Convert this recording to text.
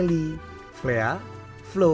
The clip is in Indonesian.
nama nama ini tidak memiliki arti khusus